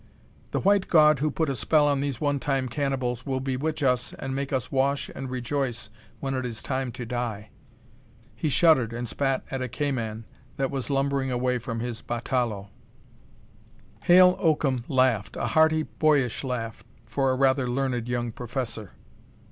"The white god who put a spell on these one time cannibals will bewitch us and make us wash and rejoice when it is time to die." He shuddered and spat at a cayman that was lumbering away from his batalõe. Hale Oakham laughed, a hearty boyish laugh for a rather learned young professor.